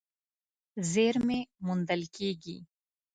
زېرمې موندل کېږي.